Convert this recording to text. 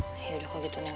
yaudah kok gitu neng